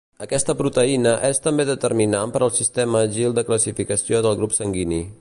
Aquesta proteïna és també determinant per al sistema Gil de classificació del grup sanguini.